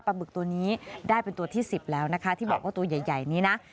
บึกตัวนี้ได้เป็นตัวที่๑๐แล้วนะคะที่บอกว่าตัวใหญ่นี้นะ